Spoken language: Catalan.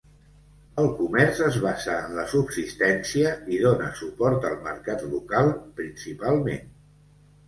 El comerç es basa en la subsistència i dona suport al mercat local principalment.